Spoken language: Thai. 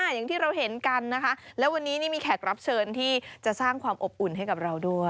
อย่างที่เราเห็นกันนะคะแล้ววันนี้นี่มีแขกรับเชิญที่จะสร้างความอบอุ่นให้กับเราด้วย